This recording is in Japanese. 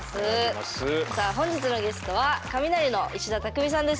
さあ本日のゲストはカミナリの石田たくみさんです。